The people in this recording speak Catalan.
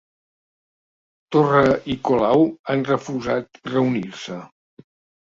Torra i Colau han refusat reunir-se